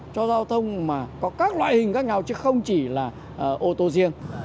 cho giao thông mà có các loại hình khác nhau chứ không chỉ là ô tô riêng